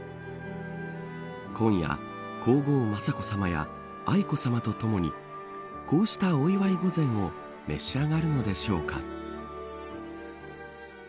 今夜、皇后雅子さまや愛子さまとともにこうした御祝御膳を召し上がるのでしょうか。